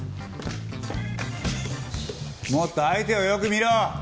もっと相手をよく見ろ！